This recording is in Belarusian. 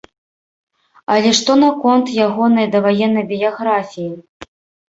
Але што наконт ягонай даваеннай біяграфіі?